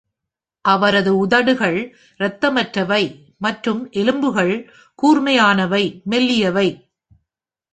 அவரது உதடுகள் இரத்தமற்றவை, மற்றும் எலும்புகள் கூர்மையானவை, மெல்லியவை.